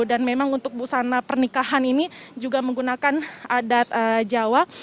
dan memang untuk busana pernikahan ini juga menggunakan adat jawa